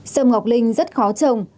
sâm ngọc linh rất khó trồng